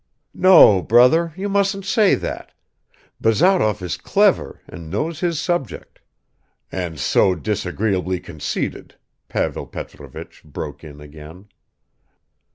"No, brother, you mustn't say that; Bazarov is clever and knows his subject." "And so disagreeably conceited," Pavel Petrovich broke in again.